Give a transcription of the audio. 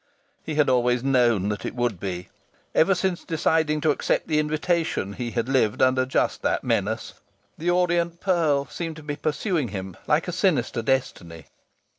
He had always known that it would be. Ever since deciding to accept the invitation he had lived under just that menace. "The Orient Pearl" seemed to be pursuing him like a sinister destiny.